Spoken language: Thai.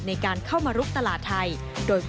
ในการเข้ามาลุกตลาดไทย